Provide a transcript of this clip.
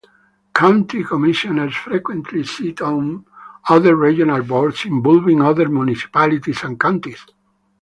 County commissioners frequently sit on other regional boards involving other municipalities and counties.